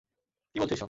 কি বলছো এইসব।